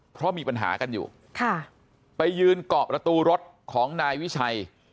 เพราะมีปัญหากันอยู่ค่ะไปยืนเกาะประตูรถของนายวิชัย